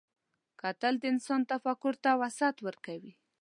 کتل د انسان تفکر ته وسعت ورکوي